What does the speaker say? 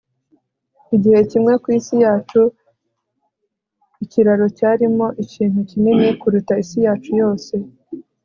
igihe kimwe ku isi yacu, ikiraro cyarimo ikintu kinini kuruta isi yacu yose